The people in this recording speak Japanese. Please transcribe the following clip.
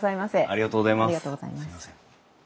ありがとうございます。